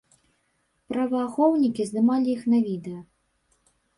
Праваахоўнікі здымалі іх на відэа.